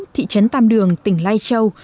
thị trấn tàm đường tỉnh lai châu